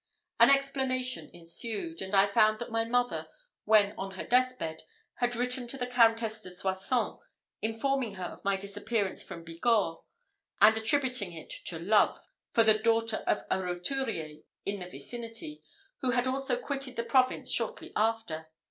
An explanation ensued; and I found that my mother, when on her death bed, had written to the Countess de Soissons, informing her of my disappearance from Bigorre, and attributing it to love for the daughter of a roturier in the vicinity, who had also quitted the province shortly after.